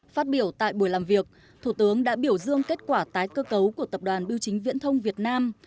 phát biểu tại buổi làm việc thủ tướng đã biểu dương kết quả tái cơ cấu của tập đoàn biêu chính viễn thông việt nam